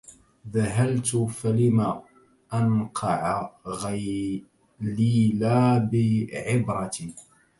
ذهلت فلم أنقع غليلا بعبرة